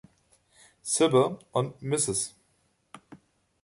Cibber und Mrs.